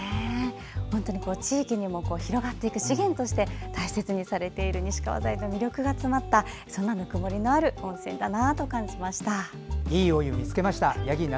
地域にも広がっていく資源として大切にされている西川材の魅力が詰まったそんなぬくもりのある温泉だなと感じました。